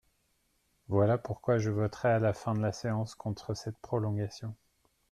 Voilà pourquoi je voterai à la fin de la séance contre cette prolongation.